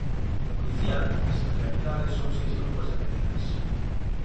Como dicía antes, en realidade son seis grupos de medidas.